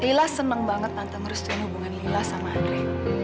lila senang banget tante merestuin hubungan lila sama andri